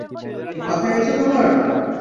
মাথা গেছে তোমার?